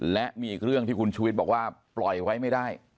และมีอีกเรื่องที่คุณชุวิตบอกว่าปล่อยไว้ไม่ได้